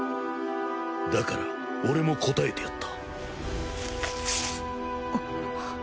だから俺も応えてやった。